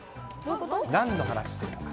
何の話してるのか。